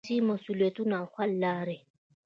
ولسي مسؤلیتونه او حل لارې.